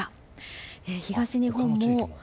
東日本も。